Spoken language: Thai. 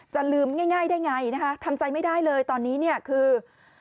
จะลืมง่ายได้ไงนะคะทำใจไม่ได้เลยตอนนี้เนี่ยคือ